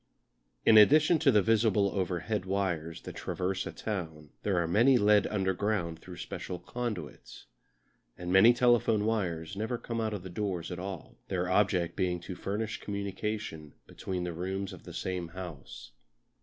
In addition to the visible overhead wires that traverse a town there are many led underground through special conduits. And many telephone wires never come out of doors at all, their object being to furnish communication between the rooms of the same house.